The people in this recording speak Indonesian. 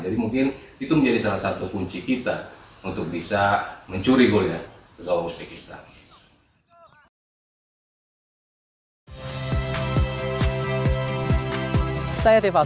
jadi mungkin itu menjadi salah satu kunci kita untuk bisa mencuri golnya